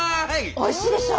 おいしいでしょ？